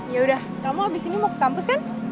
yaudah kamu abis ini mau ke kampus kan